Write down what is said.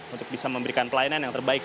untuk bisa memberikan pelayanan yang terbaik